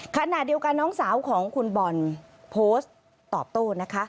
ขณะเดียวกันน้องสาวของคุณบอลโพสต์ตอบโต้นะคะ